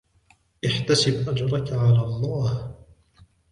احتسب أجرك على الله